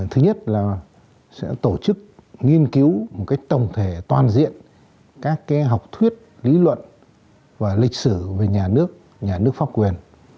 thứ nhất là sẽ tổ chức nghiên cứu một cách tổng thể toàn diện các học thuyết lý luận và lịch sử về nhà nước nhà nước pháp quyền